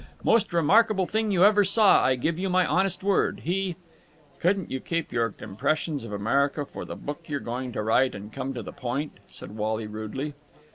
Most remarkable thing you ever saw, I give you my honest word! He...." "Couldn't you keep your Impressions of America for the book you're going to write, and come to the point?" said Wally rudely.